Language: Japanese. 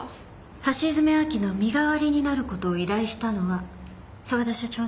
橋爪亜希の身代わりになることを依頼したのは沢田社長ね？